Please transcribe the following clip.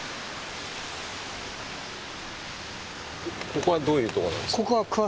ここはどういうとこなんですか？